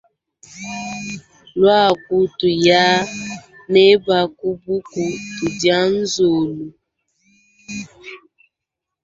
Luaku tuya neba ku buku tudia nzolo.